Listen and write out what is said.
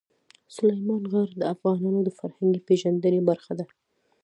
سلیمان غر د افغانانو د فرهنګي پیژندنې برخه ده.